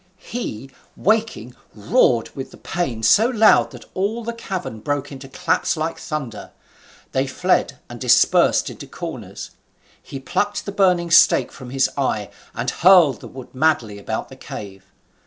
He, waking, roared with the pain so loud that all the cavern broke into claps like thunder. They fled, and dispersed into corners. He plucked the burning stake from his eye, and hurled the wood madly about the cave.